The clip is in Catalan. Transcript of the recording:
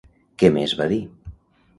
Què més va dir?